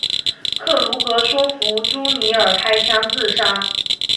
克鲁格说服朱尼尔开枪自杀。